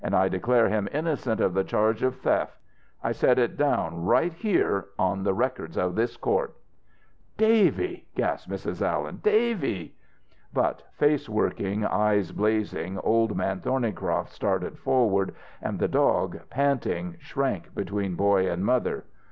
I declare him innocent of the charge of theft. I set it down right here on the records of this court." "Davy!" gasped Mrs. Allen. "Davy!" But, face working, eyes blazing, Old Man Thornycroft started forward, and the dog, panting, shrank between boy and mother.